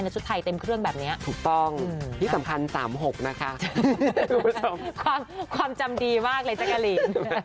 ซึ่งก็ต้องการแบบอินเดอร์แบบมาส่งพลังอะไรอย่างนี้